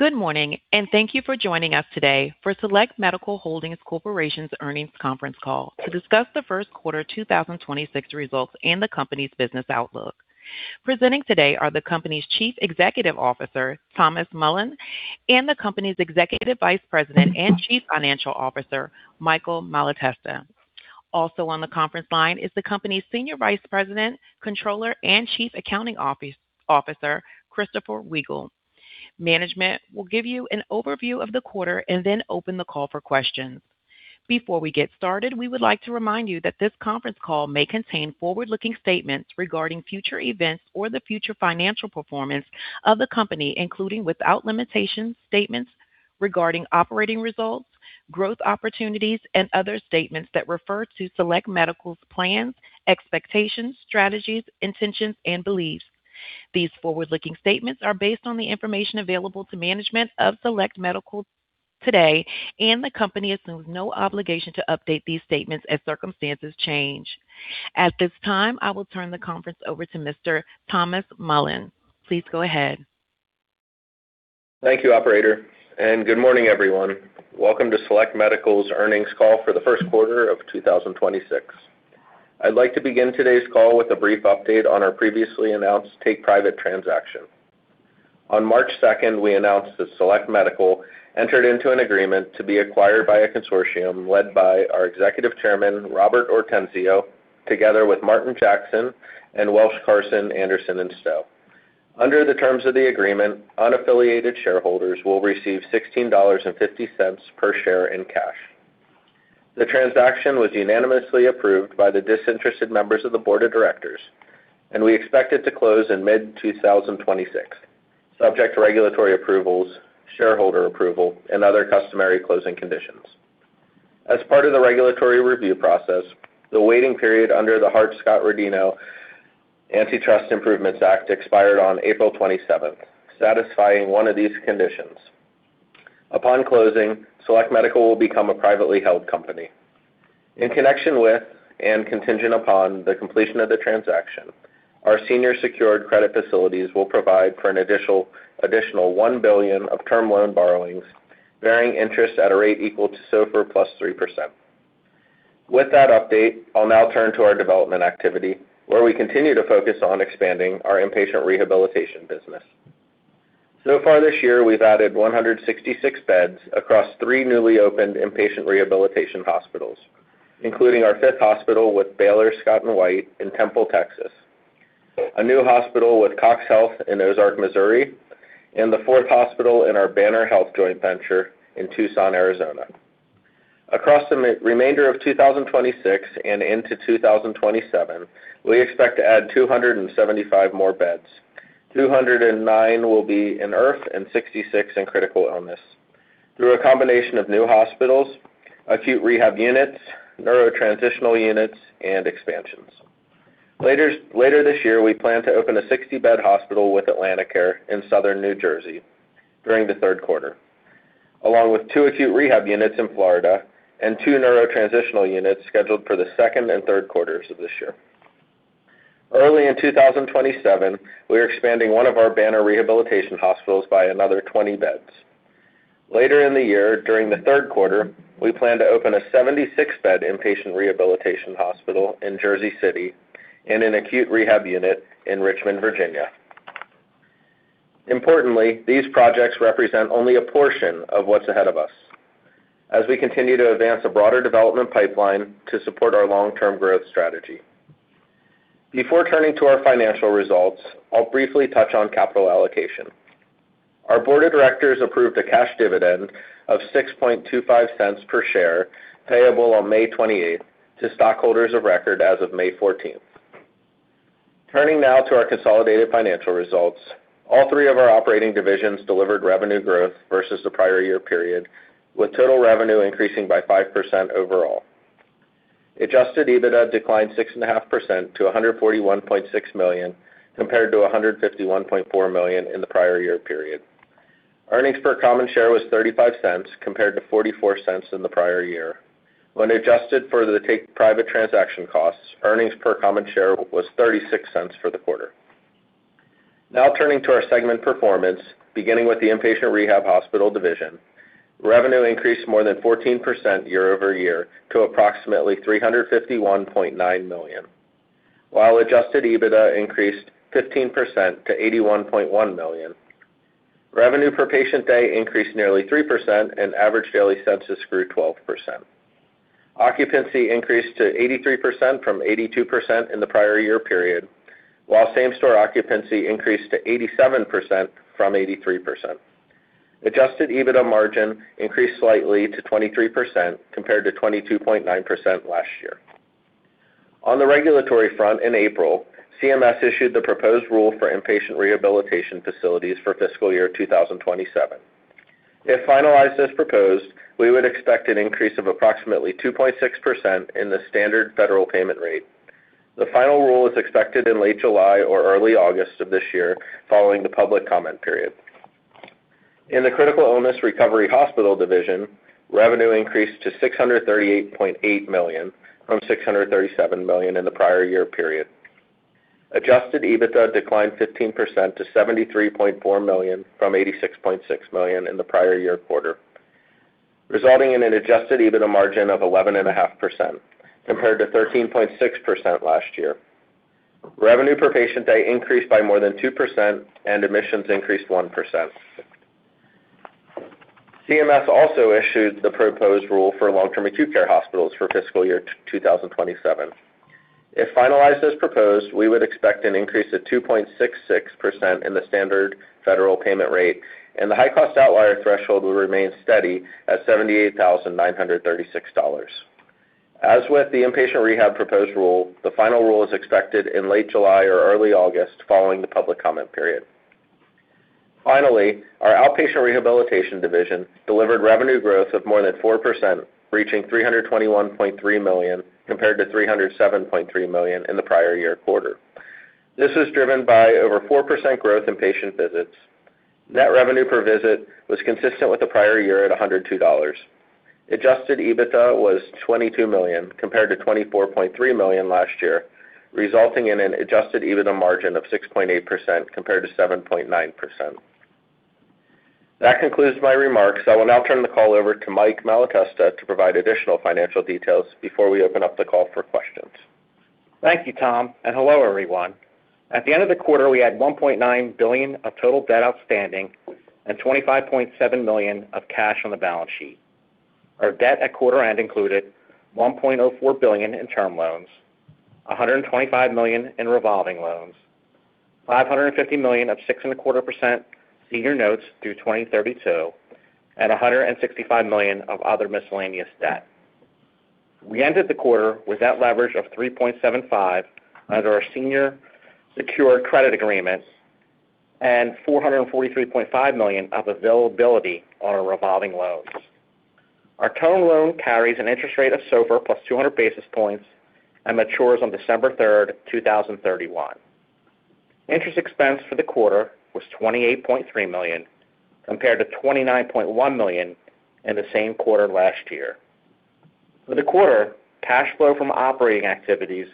Good morning, and thank you for joining us today for Select Medical Holdings Corporation's earnings conference call to discuss the Q1 2026 results and the company's business outlook. Presenting today are the company's Chief Executive Officer, Thomas Mullin, and the company's Executive Vice President and Chief Financial Officer, Michael Malatesta. Also on the conference line is the company's Senior Vice President, Controller, and Chief Accounting Officer, Christopher S. Weigl. Management will give you an overview of the quarter and then open the call for questions. Before we get started, we would like to remind you that this conference call may contain forward-looking statements regarding future events or the future financial performance of the company, including, without limitation, statements regarding operating results, growth opportunities, and other statements that refer to Select Medical's plans, expectations, strategies, intentions, and beliefs. These forward-looking statements are based on the information available to management of Select Medical today, and the company assumes no obligation to update these statements as circumstances change. At this time, I will turn the conference over to Mr. Thomas Mullin. Please go ahead. Thank you, operator, and good morning, everyone. Welcome to Select Medical's earnings call for the Q1 of 2026. I'd like to begin today's call with a brief update on our previously announced take-private transaction. On March 2nd, we announced that Select Medical entered into an agreement to be acquired by a consortium led by our Executive Chairman, Robert Ortenzio, together with Martin Jackson and Welsh, Carson, Anderson & Stowe. Under the terms of the agreement, unaffiliated shareholders will receive $16.50 per share in cash. The transaction was unanimously approved by the disinterested members of the board of directors, and we expect it to close in mid-2026, subject to regulatory approvals, shareholder approval, and other customary closing conditions. As part of the regulatory review process, the waiting period under the Hart-Scott-Rodino Antitrust Improvements Act expired on April twenty-seventh, satisfying one of these conditions. Upon closing, Select Medical will become a privately held company. In connection with and contingent upon the completion of the transaction, our senior secured credit facilities will provide for an additional $1 billion of term loan borrowings, bearing interest at a rate equal to SOFR plus 3%. With that update, I'll now turn to our development activity, where we continue to focus on expanding our inpatient rehabilitation business. Far this year, we've added 166 beds across three newly opened inpatient rehabilitation hospitals, including our fifth hospital with Baylor Scott & White in Temple, Texas, a new hospital with CoxHealth in Ozark, Missouri, and the fourth hospital in our Banner Health joint venture in Tucson, Arizona. Across the remainder of 2026 and into 2027, we expect to add 275 more beds. 209 will be in IRF and 66 in critical illness through a combination of new hospitals, acute rehab units, neuro transitional units, and expansions. Later this year, we plan to open a 60-bed hospital with AtlantiCare in Southern New Jersey during the third quarter, along with two acute rehab units in Florida and 2 neuro transitional units scheduled for the second and Q3 of this year. Early in 2027, we are expanding one of our Banner rehabilitation hospitals by another 20 beds. Later in the year, during the third quarter, we plan to open a 76-bed inpatient rehabilitation hospital in Jersey City and an acute rehab unit in Richmond, Virginia. Importantly, these projects represent only a portion of what's ahead of us as we continue to advance a broader development pipeline to support our long-term growth strategy. Before turning to our financial results, I'll briefly touch on capital allocation. Our board of directors approved a cash dividend of $0.0625 per share, payable on May 28th to stockholders of record as of May 14th. Turning now to our consolidated financial results. All three of our operating divisions delivered revenue growth versus the prior year period, with total revenue increasing by 5% overall. Adjusted EBITDA declined 6.5% to $141.6 million, compared to $151.4 million in the prior year period. Earnings per common share was $0.35, compared to $0.44 in the prior year. When adjusted for the take-private transaction costs, earnings per common share was $0.36 for the quarter. Now turning to our segment performance, beginning with the inpatient rehab hospital division. Revenue increased more than 14% year over year to approximately $351.9 million. While adjusted EBITDA increased 15% to $81.1 million. Revenue per patient day increased nearly 3%, and average daily census grew 12%. Occupancy increased to 83% from 82% in the prior year period, while same-store occupancy increased to 87% from 83%. Adjusted EBITDA margin increased slightly to 23%, compared to 22.9% last year. On the regulatory front, in April, CMS issued the proposed rule for inpatient rehabilitation facilities for fiscal year 2027. If finalized as proposed, we would expect an increase of approximately 2.6% in the standard federal payment rate. The final rule is expected in late July or early August of this year following the public comment period. In the Critical Illness Recovery Hospital division, revenue increased to $638.8 million from $637 million in the prior year period. Adjusted EBITDA declined 15% to $73.4 million from $86.6 million in the prior year quarter, resulting in an adjusted EBITDA margin of 11.5% compared to 13.6% last year. Revenue per patient day increased by more than 2%, and admissions increased 1%. CMS also issued the proposed rule for long-term acute care hospitals for FY 2027. If finalized as proposed, we would expect an increase of 2.66% in the standard federal payment rate, and the high-cost outlier threshold will remain steady at $78,936. As with the inpatient rehab proposed rule, the final rule is expected in late July or early August following the public comment period. Finally, our outpatient rehabilitation division delivered revenue growth of more than 4%, reaching $321.3 million compared to $307.3 million in the prior year quarter. This is driven by over 4% growth in patient visits. Net revenue per visit was consistent with the prior year at $102. Adjusted EBITDA was $22 million compared to $24.3 million last year, resulting in an adjusted EBITDA margin of 6.8% compared to 7.9%. That concludes my remarks. I will now turn the call over to Mike Malatesta to provide additional financial details before we open up the call for questions. Thank you, Tom, and hello, everyone. At the end of the quarter, we had $1.9 billion of total debt outstanding and $25.7 million of cash on the balance sheet. Our debt at quarter end included $1.4 billion in term loans, $125 million in revolving loans, $550 million of 6.25% senior notes through 2032, and $165 million of other miscellaneous debt. We ended the quarter with debt leverage of 3.75 under our senior secured credit agreements and $443.5 million of availability on our revolving loans. Our term loan carries an interest rate of SOFR plus 200 basis points and matures on December 3rd, 2031. Interest expense for the quarter was $28.3 million compared to $29.1 million in the same quarter last year. For the quarter, cash flow from operating activities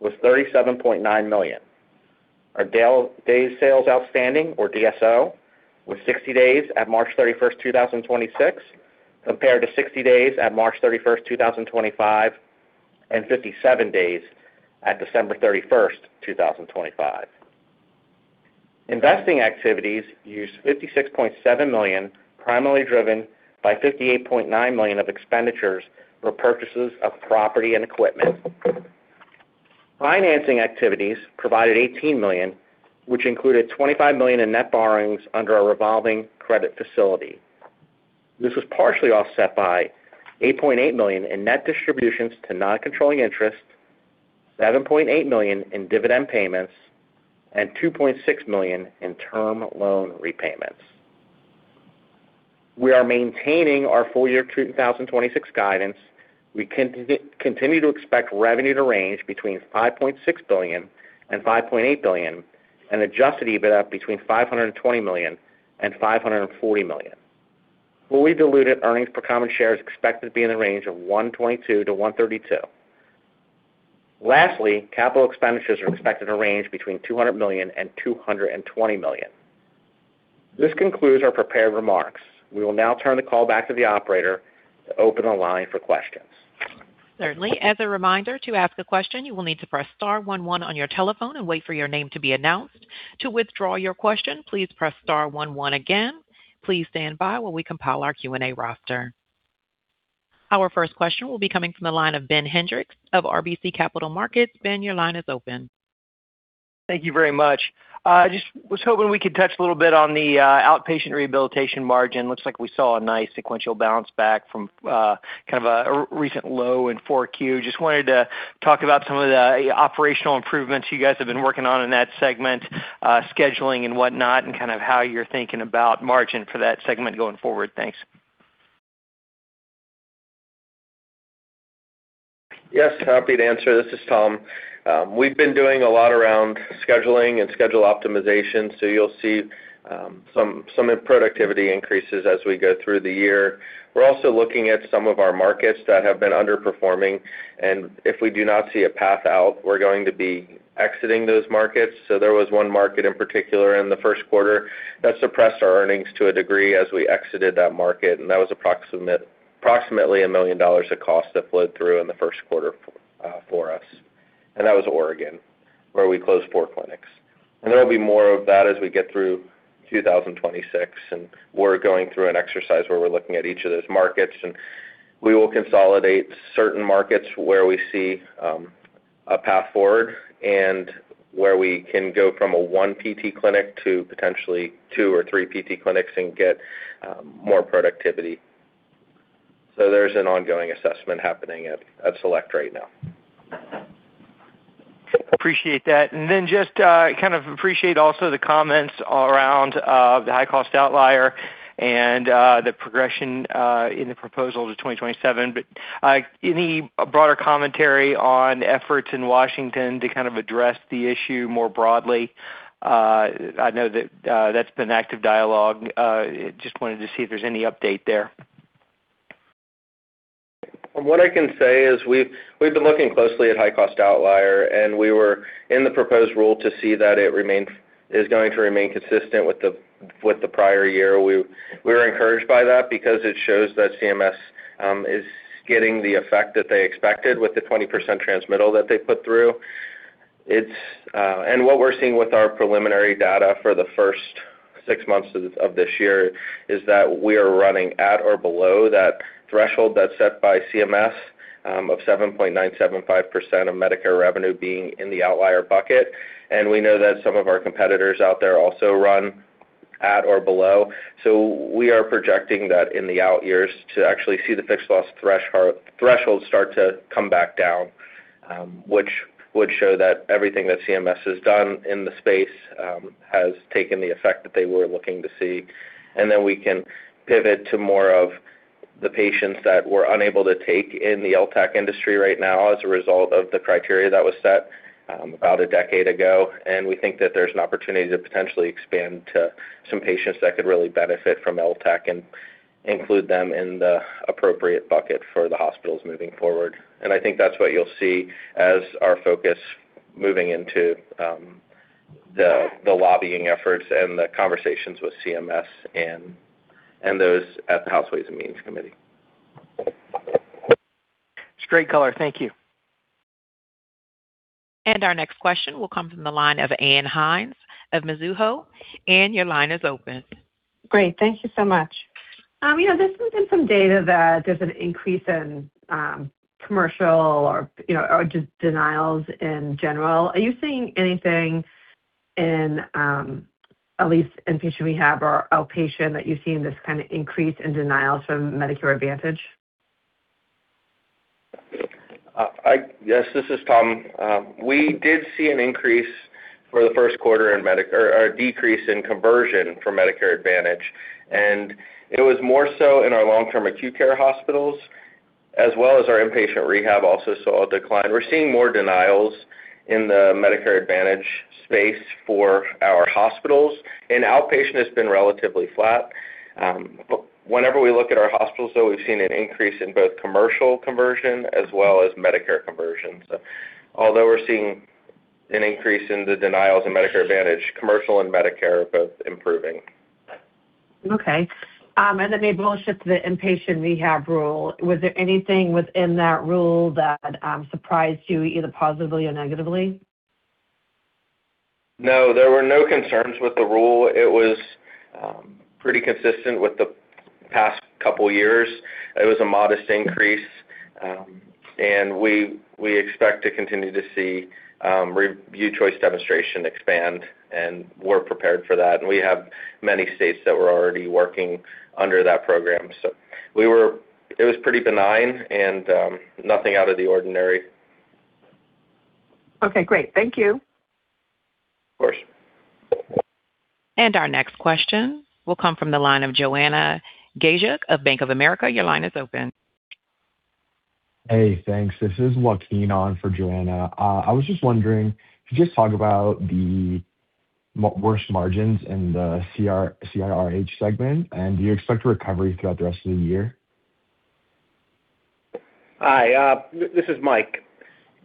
was $37.9 million. Our days sales outstanding, or DSO, was 60 days at March 31st, 2026, compared to 60 days at March 31st, 2025, and 57 days at December 31st, 2025. Investing activities used $56.7 million, primarily driven by $58.9 million of expenditures for purchases of property and equipment. Financing activities provided $18 million, which included $25 million in net borrowings under our revolving credit facility. This was partially offset by $8.8 million in net distributions to non-controlling interests, $7.8 million in dividend payments, and $2.6 million in term loan repayments. We are maintaining our full year 2026 guidance. We continue to expect revenue to range between $5.6 billion and $5.8 billion, and adjusted EBITDA between $520 million and $540 million. Fully diluted earnings per common share is expected to be in the range of $1.22 to $1.32. Lastly, capital expenditures are expected to range between $200 million and $220 million. This concludes our prepared remarks. We will now turn the call back to the operator to open the line for questions. Certainly. As a reminder, to ask a question, you will need to press star one one on your telephone and wait for your name to be announced. To withdraw your question, please press star one one again. Please stand by while we compile our Q&A roster. Our first question will be coming from the line of Ben Hendrix of RBC Capital Markets. Ben, your line is open. Thank you very much. Just was hoping we could touch a little bit on the outpatient rehabilitation margin. Looks like we saw a nice sequential bounce back from kind of a recent low in four Q. Just wanted to talk about some of the operational improvements you guys have been working on in that segment, scheduling and whatnot, and kind of how you're thinking about margin for that segment going forward. Thanks. Yes, happy to answer. This is Tom. We've been doing a lot around scheduling and schedule optimization, so you'll see some productivity increases as we go through the year. We're also looking at some of our markets that have been underperforming, and if we do not see a path out, we're going to be exiting those markets. There was one market in particular in the first quarter that suppressed our earnings to a degree as we exited that market, and that was approximately $1 million of cost that flowed through in the Q1 for us. That was Oregon, where we closed four clinics. There will be more of that as we get through 2026, and we're going through an exercise where we're looking at each of those markets, and we will consolidate certain markets where we see a path forward and where we can go from a 1 PT clinic to potentially 2 or 3 PT clinics and get more productivity. There's an ongoing assessment happening at Select right now. Appreciate that. Just, kind of appreciate also the comments around, the high cost outlier and, the progression, in the proposal to 2027. Any broader commentary on efforts in Washington to kind of address the issue more broadly? I know that's been active dialogue. Just wanted to see if there's any update there. What I can say is we've been looking closely at high cost outlier, and we were in the proposed rule to see that it is going to remain consistent with the prior year. We were encouraged by that because it shows that CMS is getting the effect that they expected with the 20% transmittal that they put through. What we're seeing with our preliminary data for the first six months of this year is that we are running at or below that threshold that's set by CMS of 7.975% of Medicare revenue being in the outlier bucket. We know that some of our competitors out there also run at or below. We are projecting that in the out years to actually see the fixed loss threshold start to come back down, which would show that everything that CMS has done in the space has taken the effect that they were looking to see. Then we can pivot to more of the patients that we're unable to take in the LTAC industry right now as a result of the criteria that was set about 10 years ago. We think that there's an opportunity to potentially expand to some patients that could really benefit from LTAC and include them in the appropriate bucket for the hospitals moving forward. I think that's what you'll see as our focus moving into the lobbying efforts and the conversations with CMS and those at the House Ways and Means Committee. Straight color. Thank you. Our next question will come from the line of Ann Hynes of Mizuho. Ann, your line is open. Great. Thank you so much. You know, there's been some data that there's an increase in, commercial or, you know, or just denials in general. Are you seeing anything in, at least inpatient rehab or outpatient that you've seen this kind of increase in denials from Medicare Advantage? Yes, this is Tom. We did see an increase for the first quarter or a decrease in conversion for Medicare Advantage, and it was more so in our long-term acute care hospitals as well as our inpatient rehab also saw a decline. We're seeing more denials in the Medicare Advantage space for our hospitals, and outpatient has been relatively flat. Whenever we look at our hospitals, though, we've seen an increase in both commercial conversion as well as Medicare conversion. Although we're seeing an increase in the denials in Medicare Advantage, commercial and Medicare are both improving. Okay. Enable us to the inpatient rehab rule, was there anything within that rule that surprised you either positively or negatively? No, there were no concerns with the rule. It was pretty consistent with the past couple years. It was a modest increase. We, we expect to continue to see Review Choice Demonstration expand, and we're prepared for that. We have many states that we're already working under that program. It was pretty benign and nothing out of the ordinary. Okay, great. Thank you. Of course. Our next question will come from the line of Joanna Gajek of Bank of America. Your line is open. Hey, thanks. This is Joaquin on for Joanna. I was just wondering, could you just talk about the worse margins in the CRH segment, and do you expect a recovery throughout the rest of the year? Hi, this is Mike.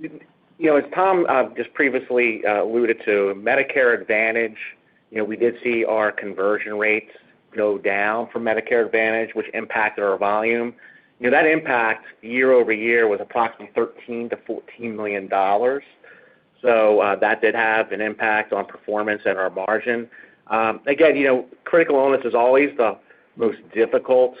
You know, as Tom, just previously, alluded to, Medicare Advantage, you know, we did see our conversion rates go down for Medicare Advantage, which impacted our volume. You know, that impact year-over-year was approximately $13 million-$14 million. That did have an impact on performance and our margin. Again, you know, critical illness is always the most difficult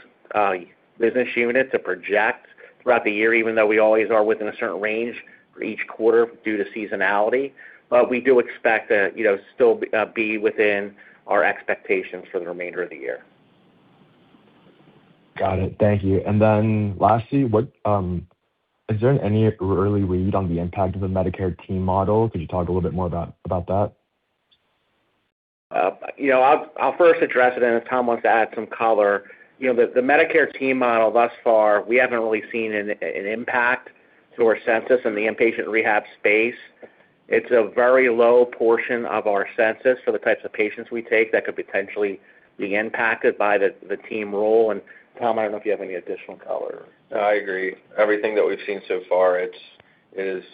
business unit to project throughout the year, even though we always are within a certain range for each quarter due to seasonality. We do expect to, you know, still be within our expectations for the remainder of the year. Got it. Thank you. Lastly, is there any early read on the impact of the Medicare TEAM model? Could you talk a little bit more about that? You know, I'll first address it and if Tom wants to add some color. You know, the Medicare TEAM model thus far, we haven't really seen an impact to our census in the inpatient rehab space. It's a very low portion of our census for the types of patients we take that could potentially be impacted by the TEAM role. Tom, I don't know if you have any additional color. I agree. Everything that we've seen so far, it is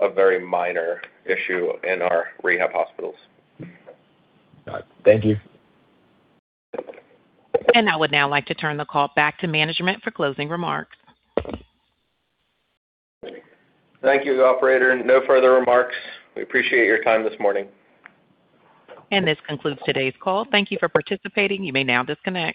a very minor issue in our rehab hospitals. Got it. Thank you. I would now like to turn the call back to management for closing remarks. Thank you, operator. No further remarks. We appreciate your time this morning. This concludes today's call. Thank you for participating. You may now disconnect.